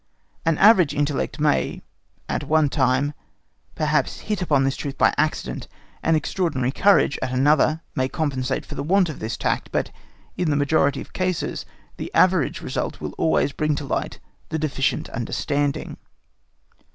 An average intellect may, at one time, perhaps hit upon this truth by accident; an extraordinary courage, at another, may compensate for the want of this tact; but in the majority of cases the average result will always bring to light the deficient understanding.